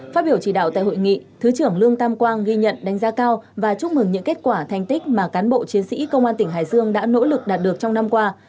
phát biểu chỉ đạo tại hội nghị thứ trưởng lương tam quang ghi nhận đánh giá cao và chúc mừng những kết quả thành tích mà cán bộ chiến sĩ công an tỉnh hải dương đã nỗ lực đạt được trong năm qua